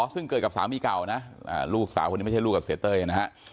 ซึ่งเกิดกับสามีเก่านะลูกสาวคนนี้ไม่ใช่ลูกกับเสียเต้ยนะฮะ